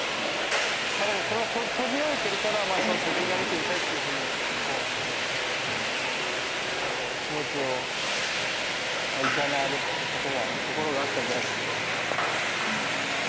閉じられてるからその先が見てみたいっていうふうに気持ちをいざなわれるっていうところがあったんじゃないかと思いますけどね。